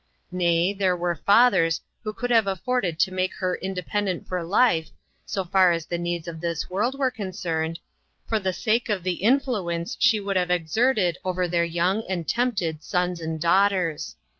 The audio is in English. Nay, there were fathers who could have afforded to make her independent for life, so far as the needs of this world were concerned, for the sake of the influence she would have exerted over their young and tempted sons and daughters.